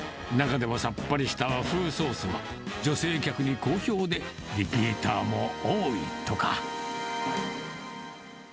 中でもさっぱりした和風ソースは、女性客に好評で、リピーターも多いとか。